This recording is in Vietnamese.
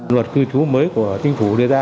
luật cư trú mới của chính phủ đưa ra